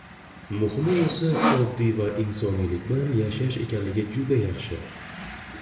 muhimi esa oddiy va insoniylik bilan yashash ekanligini juda yaxshi